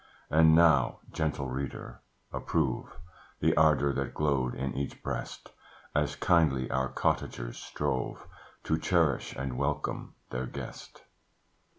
And now, gentle reader, approve The ardour that glowed in each breast, As kindly our cottagers strove To cherish and welcome their guest.